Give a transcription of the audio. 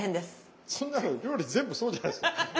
そんなの料理全部そうじゃないですか。